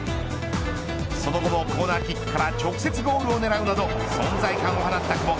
その後もコーナーキックから直接ゴールを狙うなど存在感を放った久保。